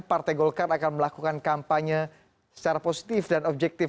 partai golkar akan melakukan kampanye secara positif dan objektif